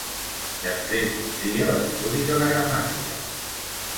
Després vindria l'estudi de la gramàtica.